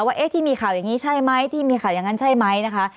ว่าที่มีข่าวอย่างนี้ใช่ไหมที่มีข่าวอย่างนั้นใช่ไหมนะคะ